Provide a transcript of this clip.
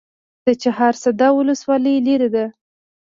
د چهارسده ولسوالۍ لیرې ده